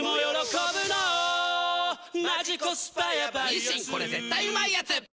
「日清これ絶対うまいやつ」